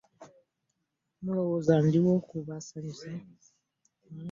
Mulowooza nze ndiwo kubasanyusa?